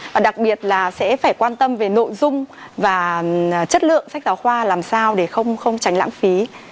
và đặc biệt là sẽ phải quan tâm về nội dung và chất lượng sách giáo khoa làm sao để không tránh lãng phí